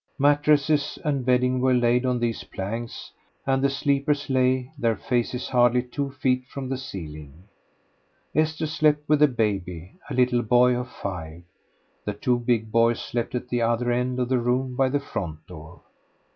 Mattresses and bedding were laid on these planks and the sleepers lay, their faces hardly two feet from the ceiling. Esther slept with the baby, a little boy of five; the two big boys slept at the other end of the room by the front door.